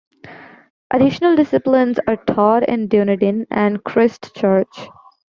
Additional disciplines are taught in Dunedin and Christchurch.